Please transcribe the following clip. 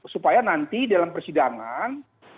supaya nanti dalam persidangan